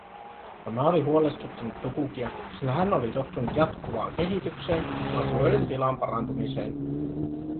Tämä oli huolestuttanut Tukukia, sillä hän oli tottunut jatkuvaan kehitykseen, asioiden tilan parantumiseen.